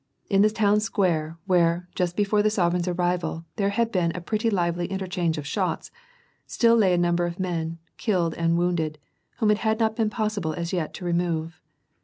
In the town square, where, just before the sov ereign's arrival, there had been a pretty lively interchange of shots, still lay a number of men, killed and wounded, whom it had not been possible as yet to remove.